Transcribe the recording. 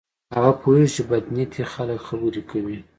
هغه پوهیږي چې بد نیتي خلک خبرې کوي.